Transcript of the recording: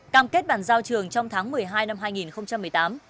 cam kết bàn giao trường trong tháng một mươi hai năm hai nghìn một mươi tám